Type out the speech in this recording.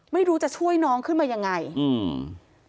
ไม่รู้จะช่วยน้องขึ้นมายังไงอืม